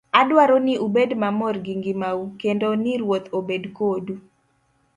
Adwaro ni ubed mamor gi ngimau, kendo ni Ruoth obed kodu.